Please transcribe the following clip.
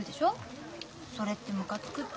それってムカつくって。